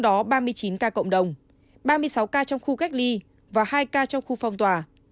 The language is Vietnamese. tỉnh này ghi nhận năm tám trăm một mươi năm ca cộng đồng ba mươi sáu ca trong khu cách ly và hai ca trong khu phong tỏa